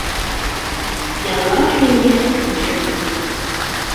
Ihder-as i mmi-s ɣef temsalt-nni.